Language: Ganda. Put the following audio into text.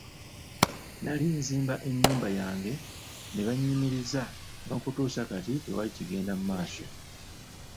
Nnali nzimba ennyumba yange ne banyimiriza n'okutuusa kati tewali kigenda mu maaso.